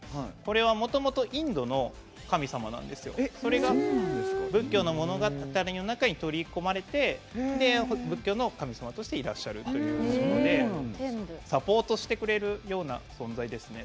もともとインドの神様でこれが仏教の物語に取り込まれて仏教の神様としていらっしゃるということでサポートしてくれるような存在ですね。